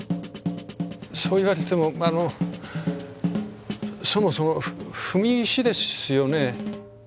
そう言われてもあのそもそも踏み石ですよね？